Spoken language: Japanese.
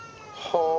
はあ。